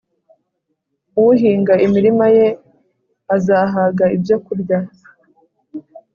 uhinga imirima ye azahaga ibyokurya,